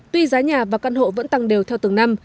tuy giá nhà và căn hộ vẫn tăng đều theo từng năm